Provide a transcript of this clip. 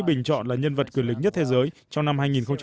bình chọn là nhân vật quyền lực nhất thế giới trong năm hai nghìn một mươi sáu